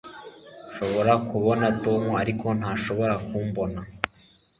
Nshobora kubona Tom ariko ntashobora kumbona